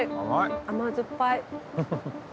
甘酸っぱい。